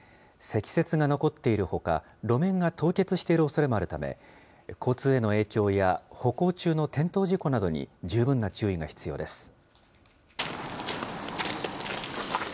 積雪が残っているほか、路面が凍結しているおそれもあるため、交通への影響や歩行中の転倒事故などに十分な注意が必要です。